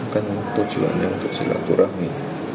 kan tujuannya untuk silaturahmi